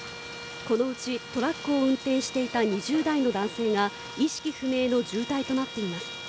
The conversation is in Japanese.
このうちトラックを運転していた２０代の男性が意識不明の重体となっています